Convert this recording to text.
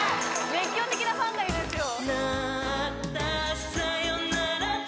熱狂的なファンがいるんですよ